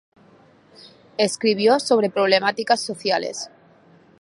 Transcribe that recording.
Escribió sobre problemáticas sociales.